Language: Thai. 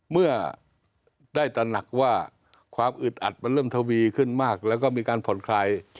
เมื่อได้ตระหนักว่าความอึดอัดมันเริ่มทวีขึ้นมากแล้วก็มีการผ่อนคลาย